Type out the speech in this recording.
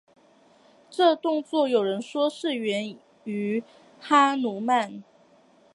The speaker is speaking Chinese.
这动作有人说是源于哈奴曼。